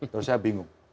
terus saya bingung